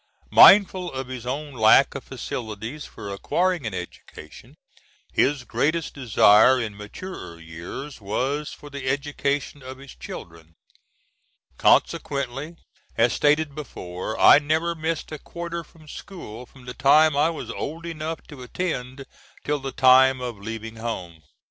Mindful of his own lack of facilities for acquiring an education, his greatest desire in maturer years was for the education of his children. Consequently, as stated before, I never missed a quarter from school from the time I was old enough to attend till the time of leaving home.